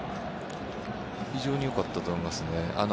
非常に良かったと思いますね。